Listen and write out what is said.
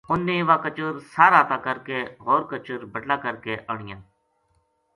انھ نے واہ کچر ساہر ا تا کر کے ہور کچر بٹلا کر کے آنیا